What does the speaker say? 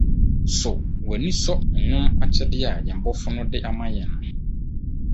So w’ani sɔ nnwom akyɛde a yɛn Bɔfo no de ama yɛn no?